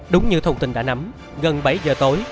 đúng như thông tin đã nắm gần bảy giờ tối